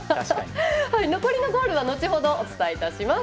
残りのゴールは後程お伝えいたします。